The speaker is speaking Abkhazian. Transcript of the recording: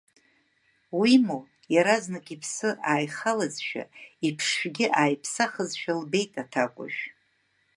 Уимоу иаразнак иԥсы ааихалазшәа, иԥшшәгьы ааиԥсахызшәа лбеит аҭакәажә.